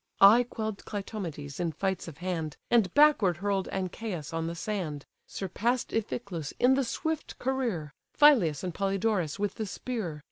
I quell'd Clytomedes in fights of hand, And backward hurl'd Ancæus on the sand, Surpass'd Iphyclus in the swift career, Phyleus and Polydorus with the spear.